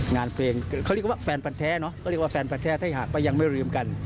งานเพลงเขาเรียกว่าแฟนแผนแท้ถ้าอยากซับเหลือกิน